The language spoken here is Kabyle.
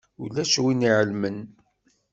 Ulac win i iɛelmen.